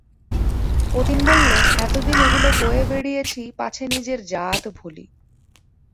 অতীন বললে, এতদিন এগুলো বয়ে বেড়িয়েছি পাছে নিজের জাত ভুলি।